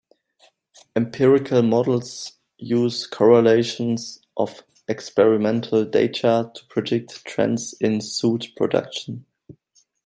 Empirical models use correlations of experimental data to predict trends in soot production.